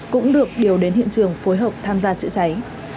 cũng được điều đến hiện trường phối hợp tham gia chữa cháy